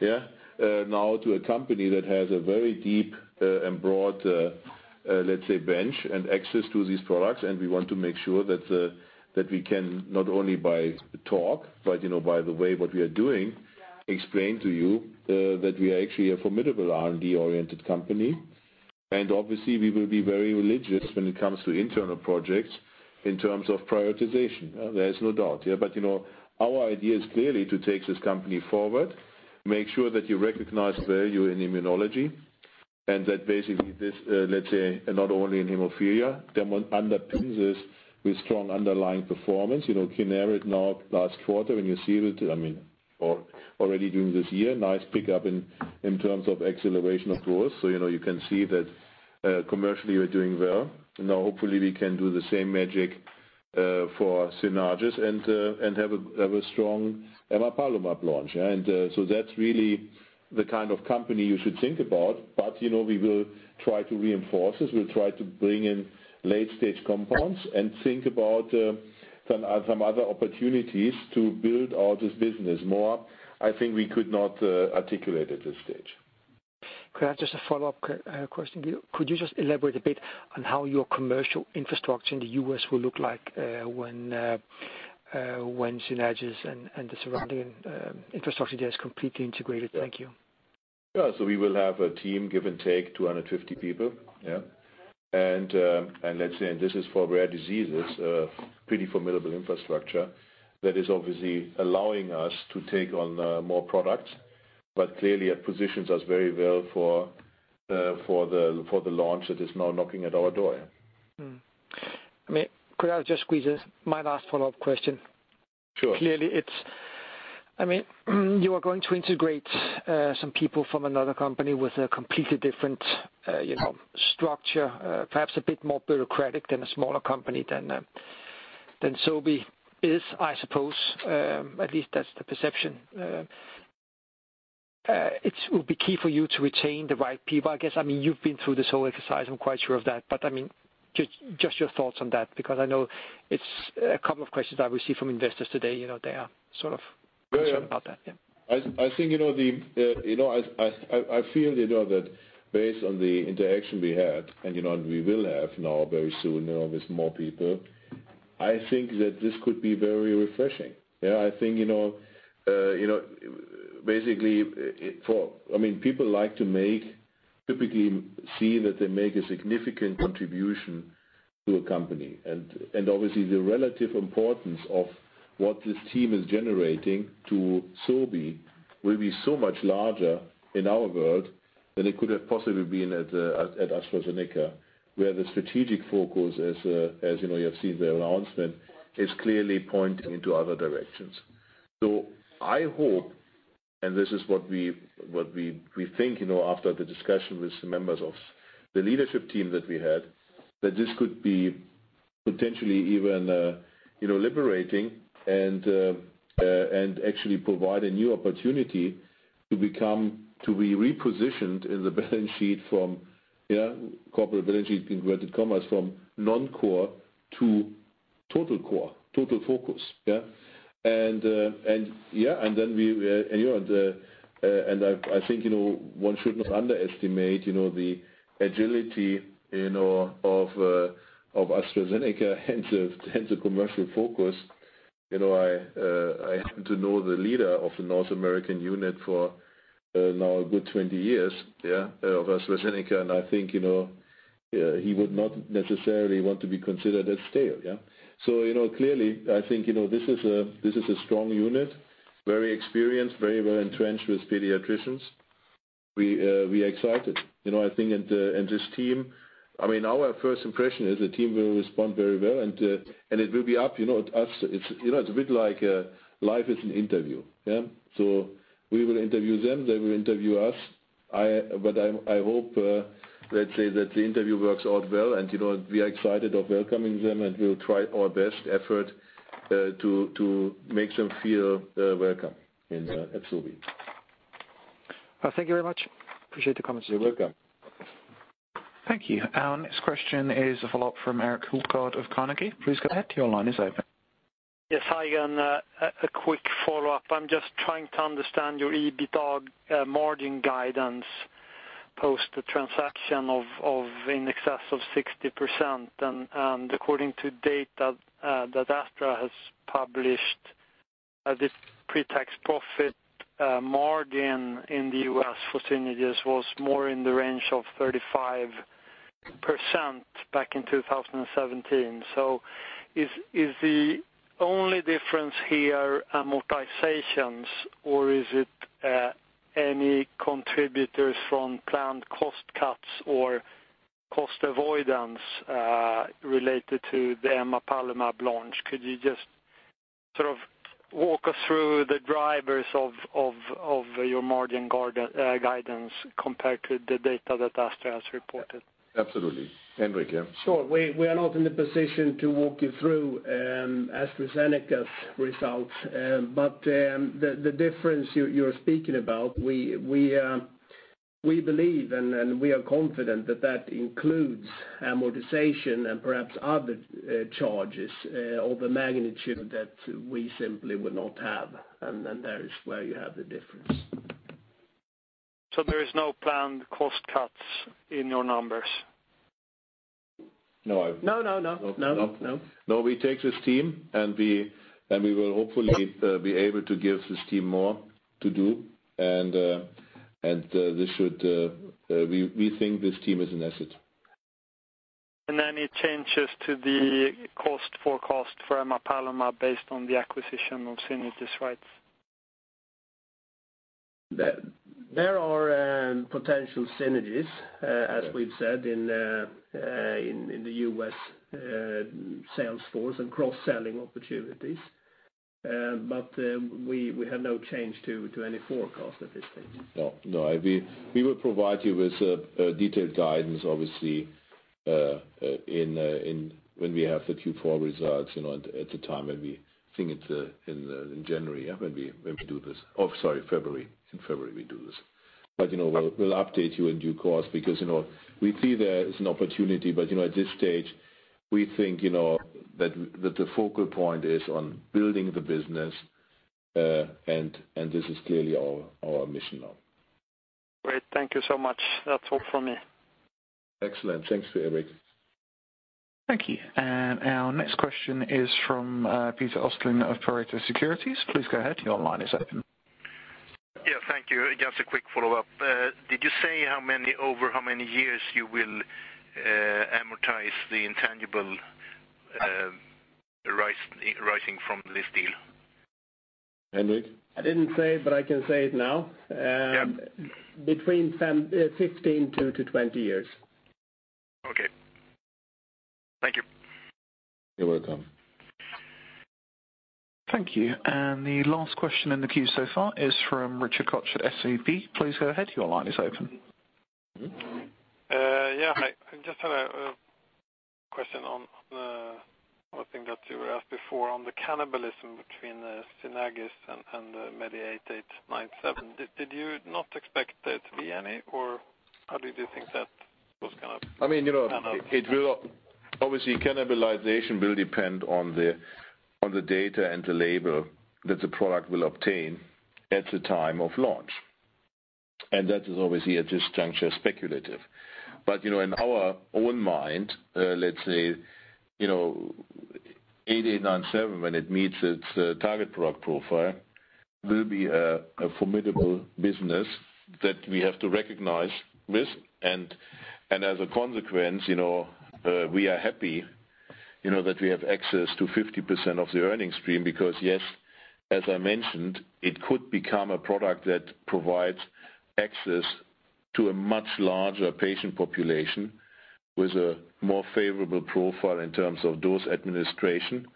Yeah. Now to a company that has a very deep and broad, let's say, bench and access to these products. And we want to make sure that we can not only by talk, but by the way what we are doing, explain to you that we are actually a formidable R&D-oriented company. And obviously, we will be very religious when it comes to internal projects in terms of prioritization. There is no doubt. Yeah. But our idea is clearly to take this company forward, make sure that you recognize value in immunology, and that basically this, let's say, not only in hemophilia, then underpins this with strong underlying performance. Kineret now, last quarter, when you see it, I mean, already during this year, nice pickup in terms of acceleration of growth. So you can see that commercially we're doing well. Now, hopefully, we can do the same magic for Synagis and have a strong Emapalumab launch. And so that's really the kind of company you should think about. But we will try to reinforce this. We'll try to bring in late-stage compounds and think about some other opportunities to build out this business more. I think we could not articulate at this stage. Could I have just a follow-up question? Could you just elaborate a bit on how your commercial infrastructure in the U.S. will look like when Synagis and the surrounding infrastructure there is completely integrated? Thank you. Yeah. So we will have a team, give and take, 250 people. Yeah. And let's say, this is for rare diseases, pretty formidable infrastructure that is obviously allowing us to take on more products, but clearly it positions us very well for the launch that is now knocking at our door. I mean, could I just squeeze in my last follow-up question? Sure. Clearly, I mean, you are going to integrate some people from another company with a completely different structure, perhaps a bit more bureaucratic than a smaller company than Sobi is, I suppose. At least that's the perception. It will be key for you to retain the right people, I guess. I mean, you've been through this whole exercise. I'm quite sure of that. But I mean, just your thoughts on that, because I know it's a couple of questions I received from investors today. They are sort of concerned about that. Yeah. I think I feel that based on the interaction we had, and we will have now very soon with more people, I think that this could be very refreshing. Yeah. I think basically for, I mean, people like to make, typically see that they make a significant contribution to a company. And obviously, the relative importance of what this team is generating to Sobi will be so much larger in our world than it could have possibly been at AstraZeneca, where the strategic focus, as you have seen the announcement, is clearly pointing into other directions. So I hope, and this is what we think after the discussion with the members of the leadership team that we had, that this could be potentially even liberating and actually provide a new opportunity to be repositioned in the balance sheet from corporate balance sheet inverted commas from non-core to total core, total focus. Yeah. And yeah. And then we and I think one should not underestimate the agility of AstraZeneca and the commercial focus. I happen to know the leader of the North American unit for now a good 20 years, yeah, of AstraZeneca. And I think he would not necessarily want to be considered at scale. Yeah. So clearly, I think this is a strong unit, very experienced, very well entrenched with pediatricians. We are excited, I think, and this team, I mean, our first impression is the team will respond very well. And it will be up to us. It's a bit like life is an interview. Yeah. So we will interview them. They will interview us. But I hope, let's say, that the interview works out well. And we are excited of welcoming them. And we'll try our best effort to make them feel welcome at Sobi. Thank you very much. Appreciate the comments. You're welcome. Thank you. Our next question is a follow-up from Erik Hultgård of Carnegie. Please go ahead. Your line is open. Yes. Hi, Jan. A quick follow-up. I'm just trying to understand your EBITDA margin guidance post-transaction of in excess of 60%. And according to data that Astra has published, the pretax profit margin in the U.S. for Synagis was more in the range of 35% back in 2017. So is the only difference here amortizations, or is it any contributors from planned cost cuts or cost avoidance related to the Emapalumab launch? Could you just sort of walk us through the drivers of your margin guidance compared to the data that Astra has reported? Absolutely. Henrik, yeah. Sure. We are not in the position to walk you through AstraZeneca's results, but the difference you're speaking about, we believe and we are confident that that includes amortization and perhaps other charges of a magnitude that we simply would not have, and that is where you have the difference. So there is no planned cost cuts in your numbers? No. No, no, no. No, no, no. No, we take this team, and we will hopefully be able to give this team more to do. And we think this team is an asset. And then it changes to the cost forecast for Emapalumab based on the acquisition of Synagis rights? There are potential synergies, as we've said, in the U.S. salesforce and cross-selling opportunities. But we have no change to any forecast at this stage. No. No. We will provide you with detailed guidance, obviously, when we have the Q4 results at the time when we think it's in January, yeah, when we do this. Oh, sorry, February. In February, we do this, but we'll update you in due course because we see there is an opportunity, but at this stage, we think that the focal point is on building the business, and this is clearly our mission now. Great. Thank you so much. That's all from me. Excellent. Thanks Erik. Thank you. And our next question is from Peter Östling of Pareto Securities. Please go ahead. Your line is open. Yeah. Thank you. Just a quick follow-up. Did you say over how many years you will amortize the intangible arising from this deal? Henrik? I didn't say it, but I can say it now. Between 15-20 years. Okay. Thank you. You're welcome. Thank you. And the last question in the queue so far is from Richard Koch at SEB. Please go ahead. Your line is open. Yeah. I just had a question on one of the things that you were asked before on the cannibalism between Synagis and the MEDI8897. Did you not expect there to be any, or how did you think that was going to pan out? I mean, it will obviously, cannibalization will depend on the data and the label that the product will obtain at the time of launch. That is obviously at this juncture speculative. In our own mind, let's say, 8897, when it meets its target product profile, will be a formidable business that we have to reckon with. As a consequence, we are happy that we have access to 50% of the earnings stream because, yes, as I mentioned, it could become a product that provides access to a much larger patient population with a more favorable profile in terms of dose administration.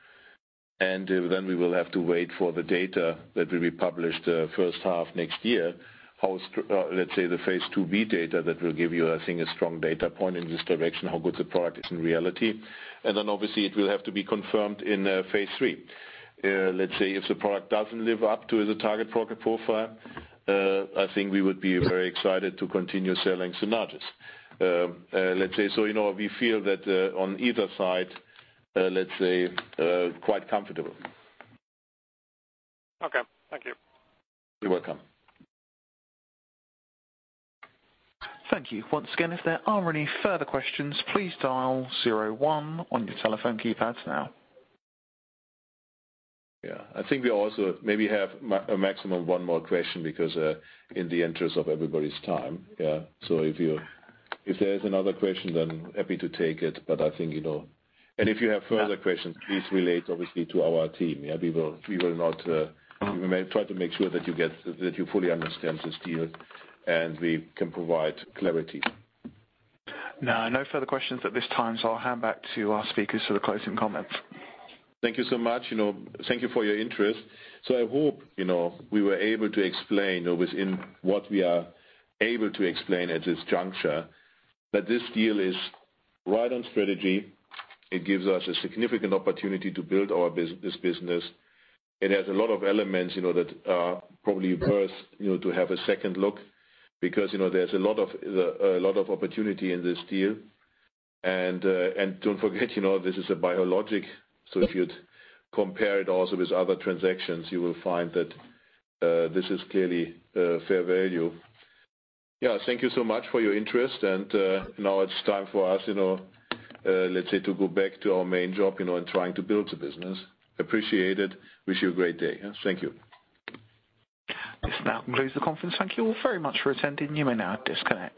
Then we will have to wait for the data that will be published first half next year, how, let's say, the phase 2b data that will give you, I think, a strong data point in this direction, how good the product is in reality. And then obviously, it will have to be confirmed in phase 3. Let's say if the product doesn't live up to the target profile, I think we would be very excited to continue selling Synagis. Let's say, so we feel that on either side, let's say, quite comfortable. Okay. Thank you. You're welcome. Thank you. Once again, if there aren't any further questions, please dial zero one on your telephone keypad now. Yeah. I think we also maybe have a maximum of one more question because in the interest of everybody's time. Yeah. So if there is another question, then happy to take it. But I think, and if you have further questions, please relate obviously to our team. Yeah. We will not try to make sure that you fully understand this deal and we can provide clarity. No. No further questions at this time. So I'll hand back to our speakers for the closing comments. Thank you so much. Thank you for your interest. So I hope we were able to explain within what we are able to explain at this juncture that this deal is right on strategy. It gives us a significant opportunity to build our business. It has a lot of elements that are probably worth to have a second look because there's a lot of opportunity in this deal. And don't forget, this is a biologic. So if you compare it also with other transactions, you will find that this is clearly fair value. Yeah. Thank you so much for your interest. And now it's time for us, let's say, to go back to our main job and trying to build the business. Appreciate it. Wish you a great day. Thank you. This now concludes the conference. Thank you all very much for attending. You may now disconnect.